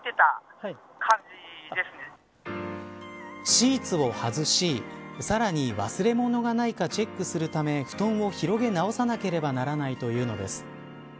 シーツを外しさらに忘れ物がないかチェックするため布団を広げ直さなければいけないというのです。